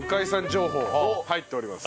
情報入っております。